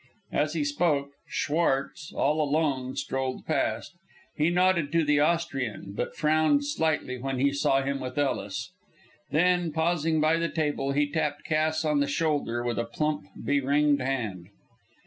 As he spoke, Schwartz, all alone, strolled past. He nodded to the Austrian, but frowned slightly when he saw him with Ellis. Then pausing by the table, he tapped Cass on the shoulder with a plump, beringed hand.